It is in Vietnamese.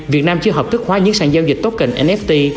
việt nam chưa hợp thức hóa những sản giao dịch token nft